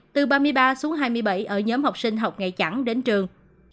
từ ba mươi ba xuống hai mươi bảy ở nhóm học sinh học ngày chẳng đến trường